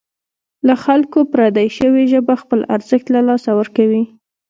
له خلکو پردۍ شوې ژبه خپل ارزښت له لاسه ورکوي.